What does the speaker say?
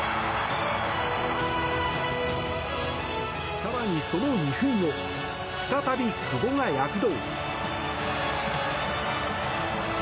更に、その２分後再び久保が躍動！